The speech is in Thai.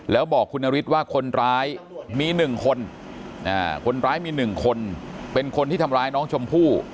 แล้วบอกคุณนฤทธิ์ว่าคนร้ายมี๑คนคนร้ายมี๑คนเป็นคนที่ทำร้ายน้องชมพู่